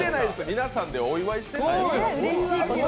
皆さんでお祝いしてます。